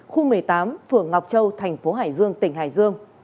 khu một mươi tám phường ngọc châu thành phố hải dương tỉnh hải dương